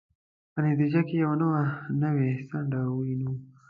په نتیجه کې یوه نوې څنډه ووینو.